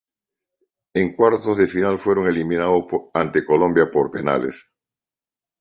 En cuartos de final fueron eliminados ante Colombia por penales.